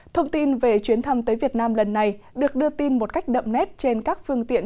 thông tin về chuyến thăm tới việt nam lần này được đưa tin một cách đậm nét trên các phương tiện